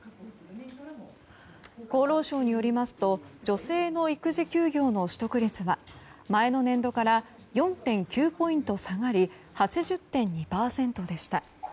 厚労省によりますと女性の育児休業の取得率は前の年度から４．９ポイント下がり８０．２％でした。